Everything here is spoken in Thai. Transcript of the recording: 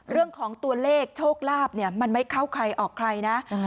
เรื่องของตัวเลขโชคลาภเนี่ยมันไม่เข้าใครออกใครนะ